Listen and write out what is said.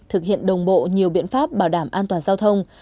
thực hiện đồng bộ nhiều biện pháp bảo đảm an toàn giao thông